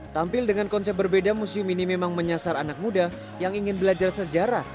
tampil dengan konsep berbeda museum ini memang menyasar anak muda yang ingin belajar sejarah